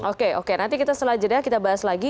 oke oke nanti kita selanjutnya kita bahas lagi